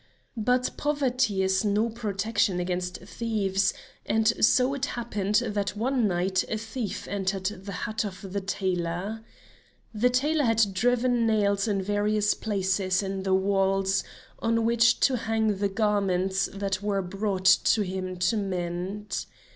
But poverty is no protection against thieves, and so it happened that one night a thief entered the hut of the tailor. The tailor had driven nails in various places in the walls on which to hang the garments that were brought to him to mend.